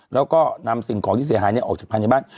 แล้วก็นำสิ่งของที่เสียหายออกจากภายในบ้าน